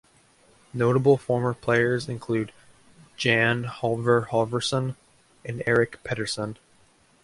Notable former players include Jan Halvor Halvorsen and Erik Pedersen.